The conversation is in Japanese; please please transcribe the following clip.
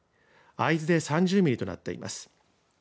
会津で３０ミリとなっています。